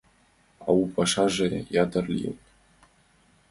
А у пашаже ятыр лийын.